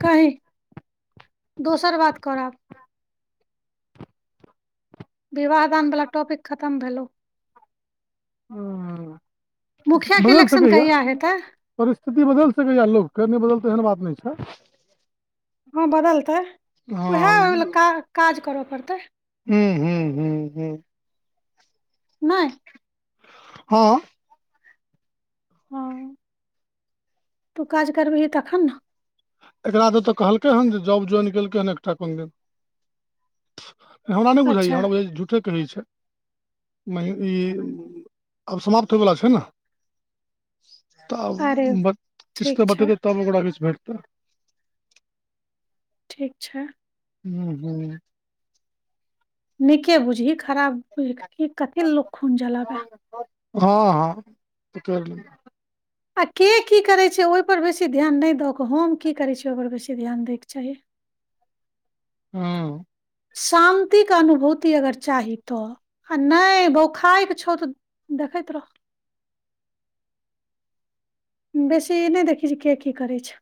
कही दोसर बात करब विवाहदानवला टॉपिक खतम भेलहु हँ मुखिया के बदल इलेक्शन सकैय या कहिया हेतै परिस्थिति बदल सकैय या लोकके नहि बदल एहन बात नहि छै हँ बदलतै उएह हँ ओहि लेल काज काज करय पड़तै हू हू हू हू नय हँ हँ तू काज करबही तखन न एकराद तऽ कहलकै हन जे जॉब ज्वइन केलकै हन एकटा कोन दीन हमरा नय बुझाइयए अच्छा हमरा बुझाय झूठे कहै छै म ई आब समाप्त होयवला छै न अरे तब ठीक किस्तऽ छै बतेतै तब ओकरा किछ भेटतै अच्छा हू हू नीके बुझही खराब की कथि लु खून जलाबै हँ हँ तऽ कैर ले आ के की करै छै ओहि पर बेसी ध्यान नहि की करै छ ओ बेस ध दै चाही हँ शान्तिके अनुभूति अगर चाही तऽ आ नहि बौखाइ छौ तऽ देखैत त रहब [unintelligible] बेसी नहि देखी जे के की करै छै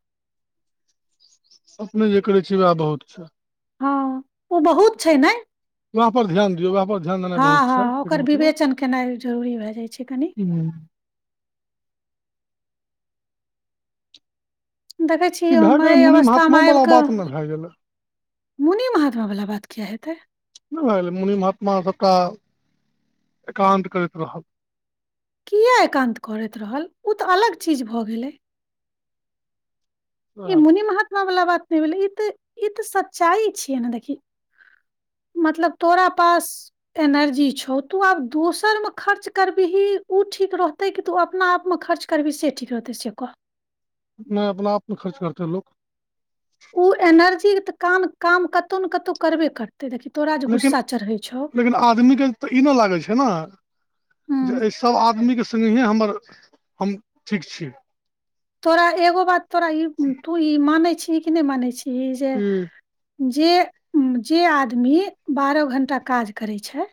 अपने जे करैत छियै उएह बहुत छै हँ ओ बहुत छै ने वएह पर ध्यान दियौ वएह पर ध्यान देनाइ हँ बहुत छै हँ एकर ओकर मतलब विवेचन केनाइ जरूरी भए जाइ छै कनि ह देखै ई छियै भए हम गेलै एहि मुनि अवस्थामे आबि महात्मोवला कऽ बात ने भए गेलै मुनि महात्मा वला बात किया हेतै नहि मुनि महात्मा छटा एकान्त करैत रहल किए एकान्त करैत रहल ओ तऽ अलग चीज भऽ गेलै ई मुनि महात्मा वला बात नहि भेलै ई तऽ ई तऽ सच्चाइ छियै ने देखी [unintelligible] मतलब तोरा पास एनर्जी छौ तू आब दोसर मे खर्च करबिही उ ठीक रहतै कि तू अपना आपमे खर्च करबिही से ठीक रहतै से आब कह नहि अपना आपमे खर्च करतै लोक ओ एनर्जीके तऽ काम काम कतौ ने कतौ करबे करतै देखी तोरा जे लेकिन गुस्सा चढ़ै छौ लेकिन आदमीके तऽ ई नहि लागै छै ने हूँ जे एहि सब आदमीके सङ्गहे हमर हम ठीक छी तोरा एगो बात तोरा ई तू ई मानै छीही कि नहि मानै छीही जे हूँ जे जे आदमी बारह घण्टा काज करै छै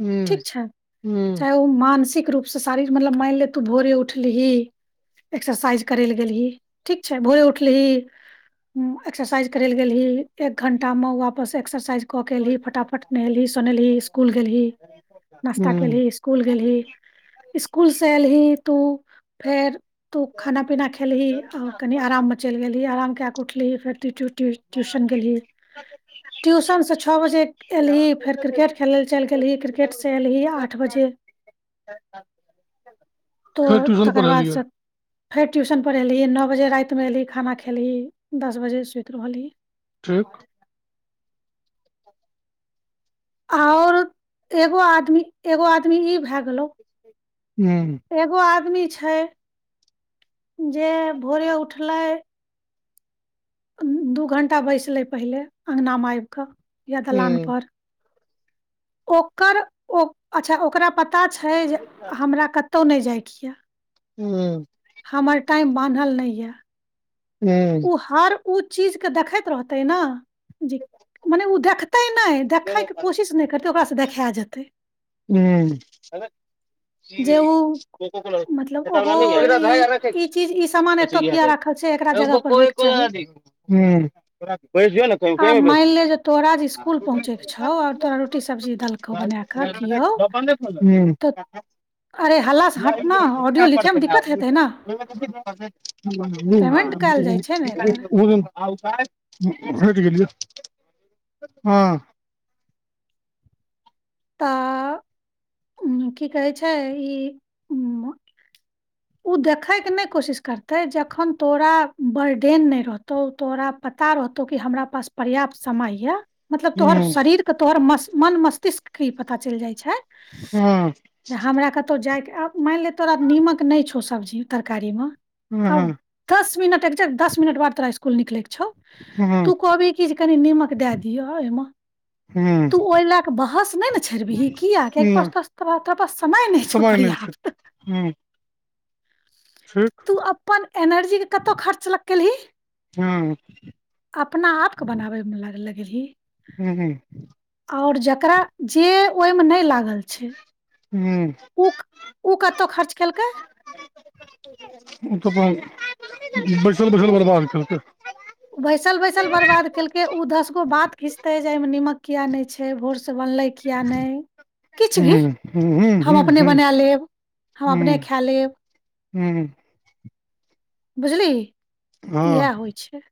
हूँ ठीक छै हूँ चाहे ओ मानसिक रूपसँ शारीर मतलब माइन ले तू भोरे उठलिही एक्सरसाइज करै लए गेलही ठीक छै भोरे उठलिही एक्सरसाइज करे ले गेलही एक घंटा मे वापस एक्सरसाइज कऽ के एलही फटाफट नहेलही सोनेलही इसकुल गेलही नश्ता हूँ केलही इस्कूल गेलही इस्कूल से एल ही तू फेर तू खाना पीना खेलही और कनि आराम मे चैल गेलही आराम के कैक उठलिही फेरट्यूशन गेलही ट्यूशन से छ बजे एलही फेर क्रिकेट खेलय लेल चैल गेलही क्रिके से एल हिया आठ बजे फेर तोऽ ट्यूशन तकर पढ़ेलियै बादसँ फेर ट्यूशन पढ़ेलही नौ बजे राइतमे एलही खाना खैलही दस बजे सुइत रहलही ठीक आऊर एगो आदमी एगो आदमी ई भए गेलौ हूँ हूँ एगो आद आमी छै जे भोरे उठलै दू घण्टा बैसलै पहिले अङ्गनामे आइब कऽ या हूँ दलानपर ओकर ओ अच्छा ओकरा पता छै जे हमरा कत तौ नहि जाइ किया हुँ - हमर टाइम बान्हल नहि यए हूँ उ हर उ चीज के देखैत रहतै ने जे मने ओ देखतै तै नहि देखैके कोशिश नहि करतै ओकरासँ देखाए जेतै ह्म जे ओ कोकोकोला मतलब ओहो कोइ ई ई चीज ई सामान एतौ किया राखल छै एकरा जगह पर होयके चाही को बैस ने बैस जो ने कही पे पहुँचैके छौ और तोरा रोटी सब्जी देलकौ द प म बनाकऽ [unintelligible] अरे हल्ला से हट ने ऑडियो लिखे मे दिक्कत हेतै ने पेमेंट कयल जाइ छै ने एकर भेट गेलियौ हँ तऽ उ की कहै छै ई उ [unintelligible] ओ देखै के नहि कोशिश करतै जखन तोरा बर्डेन नहि रहतौ तोरा पता रहतौ ओतौ की हमरा पास पर्याप्त समय ये मतलब तोहर हूँ शरीर के तोहर मस मन मस्तिष्क केइ पता चैल जाय छै हँ जे हमरा कतहु जायके आब माइन ले तोरा नीमक नहि छौ सब्जी तरकारीमे हँ आब हँ दस मिनट एकजेक्ट दस मिनट बाद तोरा स्कुल निकलै के छौ हँ तू कहबी कि जे कनि नीमक दए दिअ अहिम तू नहि ओहि लए कऽ बहस नहि नहि छेड़बिही किया कियाकी पास तोरा पास तोरा पास समय नहि छौ पर्याप्त हँ ठीक तू अपन एनर्जी के कतहु खर्च ल केलही हँ अपना आपके बनाबैमे ल लगी हँ हँ आओर ज करा जे ओहिमे नहि लागल छै ओ ओ कतय खर्च केलकै ओ तऽ अपन बैसल बैसल ओ बर्बाद केलकै बैसल बैसल बर्बाद केलकै ओ दस गो बात खीचतै जे एहिमे निमक किएक नहि छै भोरसँ बनलै किए नहि किछु भी हूँ हूँ हूँ हम हूँ अपने हूँ बना लेब हम अपने खाए लेब ह्म बुझली इएह होइ छै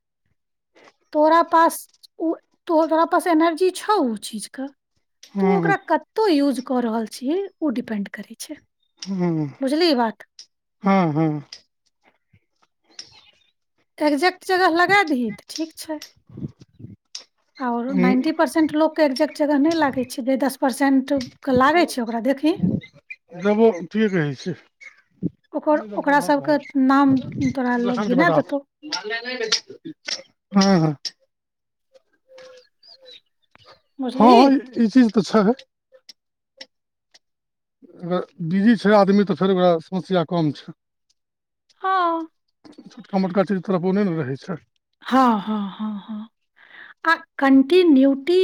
तोरा पास ओ तोरा पास एनर्जी छौ ओ चीजके तऽ ओ ओकरा कतहु यूज कऽ रहल छियै ओ डिपेंड करैत छै हँ बुझली ई बात हँ हँ एक्जैेक्ट जगह लगाए दही तऽ ठीक छै आओर नाइन्टी परसेंट लोककेँ एक्जेक्ट जगह नहि लागैत छै जे दस परसेंट केऽ लागै छै ओकरा देखही देबो ठीक कहै छै ओकर नहि बलक ओकरा सबके नाम तोरा लोग बत गिना बेटा देतौ हँ हँ हँ बुझलिही हँ ई चीज तऽ छै अगर बिजी छै आदमी तऽ फेर ओकरा समस्या कम छै हँ छोटका मोटका चीज तरफ ओने ने रहै छै हँ हँ हँ हँ आ कन्टिन्यूटी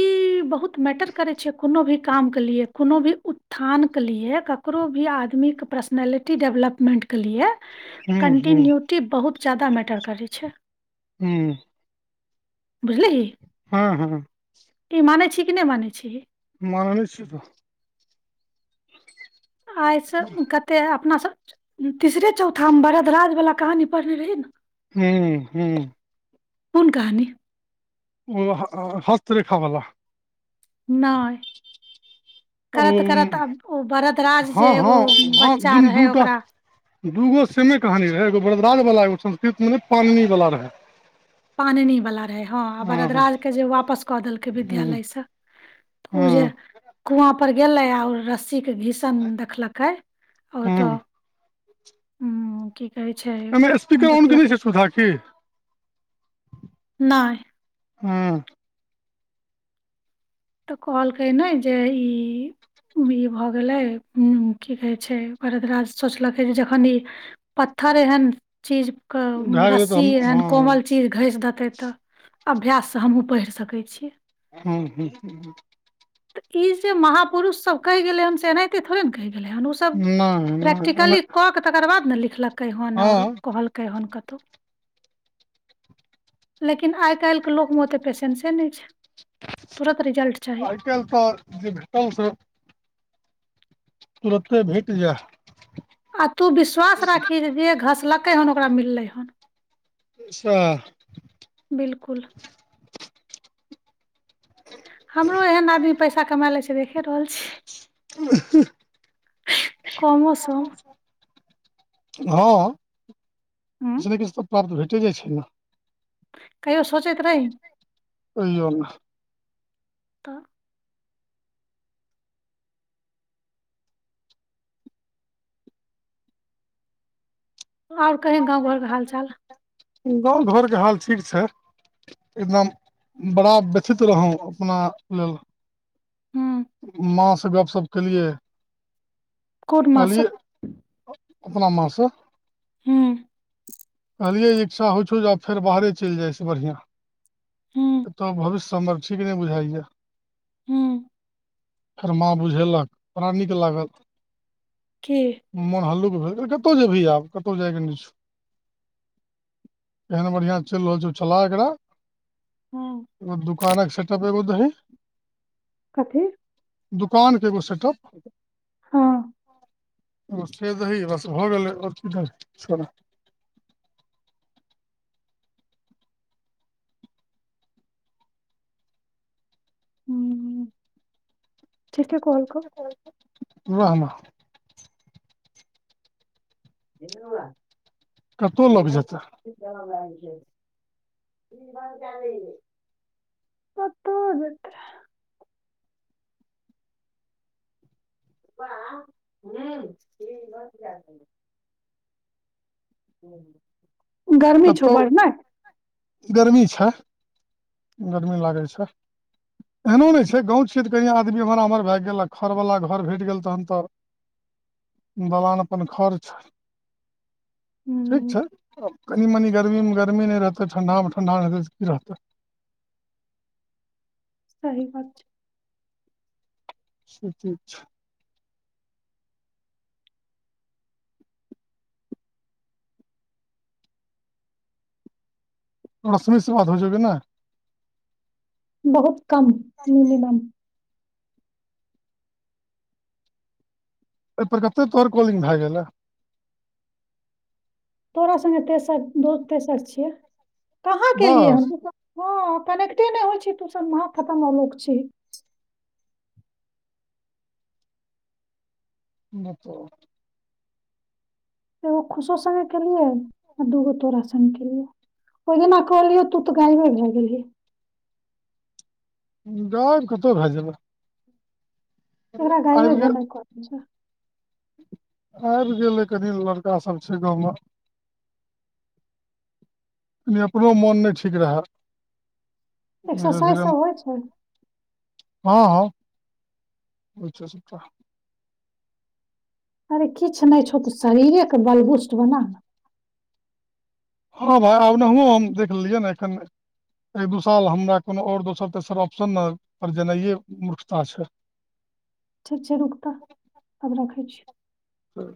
बहुत मैटर करै छैिय कोनो भी काम के लिए कोनो भी उत्थानके लिए ककरो भी आदमीके पर्सनैलिटी डेवलपमेन्टके लिए हूँ हूँ कन्टिन्यूटी बहुत ज्यादा मैटर करै छै हू बुझलीही हँ हँ ई मानय छी कि नहि मान यछी मान ने छियै तऽ आइसँ कते अपनासभ तीसरे चौथामे बरदराजवला कहानी पढ़ने रही ने हुँ हुँ कोन कहानी ओ हस्तरेखा बला नहि ओ करत करत आब ओ बरदराज जे हँ एगो हँ हँ बच्चा दिन दू रहै टा ओकरा दूगो सेमे कहानी रहै एगो बरदराज बाला एगो संस्कृत मने पाननी वालला रहै पाननीवला रहै हँ आ बरदराजके जे वापस कऽ देलकै हूँ विद्यालयसँ ओ जे हँ कुआँ पर गेले आ रस्सी घिसल देखलकै आ ओतो हूँ उ की कहै छै एहिमे स्पीकर ऑन क नहि देखलकै छै सुधा की नहि हँ तऽ कहलकै ने जे ई इ भऽ गेलै ह की कहै छै भरदराज सोचलकै जे जखन इ पत्थर एहेन चीज के भए गेलै तऽ रस्सी हम एहन हँ कोमल चीज घस देत हतै तऽ अभ्याससँ हमहुूँ पढ़ि सकै छीियै हूँ हूँ हूँ तऽ ई जे महापुरुष सब कहि गेले हन से एनाहिते थोड़े ने कहि ओ सब नहि नहि एना प्रैक्टिकली क के तकर बाद ने लिखलकै हन आओर हँ कहलकै हन लेकिन आइ काल्हि के लोक मे ओते पेशेंसे नहि छै तूरातऽ रिजल्ट चाही आइ काल्हि तऽ जे भेटल से तुरते भेट जा आ तू विश्वास राखही जे घसलकै हन ओकरा मिललै हन अच्छा बिलकुल हमरो एहन आदमी पैसा कमाए लै छै देखि रहल छियै अ ह ह कौन मौसम हँ हूँ, किछु ने किछु तऽ प्राप्त भेटे जाइ छै ने कहियो सोचैतैत रही ओहिो ने तऽ आओर कहीँ गाँव घरके हाल चाल गाँव घरके हाल ठीक छै एकदम बड़ा व्यथित रहौँ अपना लेल हूँ माँसँ गप्पशप केलियै कोन माँ स कहलियै अपना माँसँ हँ कहलियै इच्छा होइ छौ जे आब फेर बाहरे चलि जाइ छै बढ़िआँ अत भविष्य हमर ठीक नहि बुझाइया हुँ - कर माँ बुझेलक बड़ा नीक लागल की मोन हल्ल कतहु जेबह आब क तो जाय के नै छ एहन बढ़िया चलि रहल छै छला एकरा हँ कहानक सेट पेग द ही कथे दुकान के एगो सेटप हँ ओ से दही बस भऽ गेलै छोड़ हू वाह वाह एवा कतहु लग जेतै लो घ ट कत जेतय वाहे फिज बन के दहीन गर्मी छौ कतहु बढ़ ने गर्मी छै गरमी लागै छै एहनो नहि छै गाँव छियै तऽ कहीँ आदमी हमर अमर भए गेल आ खरवला घर भेट गेल तखन तऽ दलान अपन खर्च ठीक हूँ छै कनि मनि गर्मीमे गर्मी नहि रहतै ठण्ढामे ठण्ढा नहि रहतै तऽ की रहतै [inaudible] सही बात छै सेच छै रश्मी से बात हो छौउ की नहि बहुत कम कनिमनी एहिपर कतेक तोहर कॉलिंग भए गेलै तोरा सङ्गे तेसर दो तेसर छियै कहाँ कलियै ह बस द हँ कनेक्टे नहि होइ छै तूस महा खतम लोक छी नहि त गो खुशो स के लिए आ दूगो तोरा सन के लिए ओहि जे नली ओ तूत गायबे भ गेल ही गाइब कतहु भए जेबै एकरा गायभे आबि भ गेल नहि करै छै आबि गेलै कनि लड़कासभ छै गाँवमे क अपनो मोन नहि ठीक रहय धीरे एक्सरसाइज धीरे सब हँ होइ छै हँ [unintelligible] अरे किछु नहि छौ तू शरीरेके बलबुस्ट बना ने हँ भाय आबनाहुँ हम देख लेलियै ने एखन एक दू साल हमरा कोनो आओर दोसर तेसर ऑप्शन ने पर जेनाइ मूर्खता छै [unintelligible] ठीक छै रुकता आब रखै छी ह्म